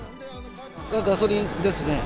ガソリンですね。